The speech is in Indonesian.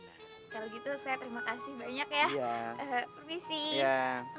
kalau gitu saya terima kasih banyak ya pervisi